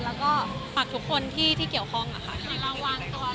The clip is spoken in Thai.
แล้วก็ปากทุกคนที่เกี่ยวข้องอ่ะค่ะ